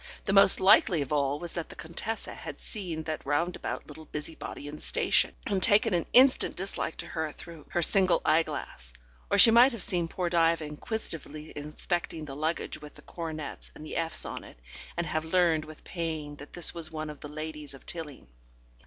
The most likely of all was that the Contessa had seen that roundabout little busybody in the station, and taken an instant dislike to her through her single eyeglass. Or she might have seen poor Diva inquisitively inspecting the luggage with the coronets and the Fs on it, and have learned with pain that this was one of the ladies of Tilling.